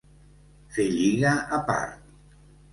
Fer lliga a part.